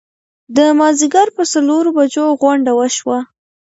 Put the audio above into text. د مازیګر پر څلورو بجو غونډه وشوه.